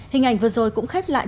hình ảnh vừa rồi cũng khép lại